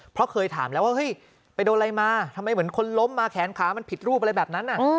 เพราะเคยถามแล้วว่าเฮ้ยไปโดนอะไรมาทำไมเหมือนคนล้มมาแขนขามันผิดรูปอะไรแบบนั้น